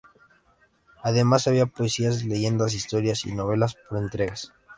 Además había poesías, leyendas, historias y novelas por entregas.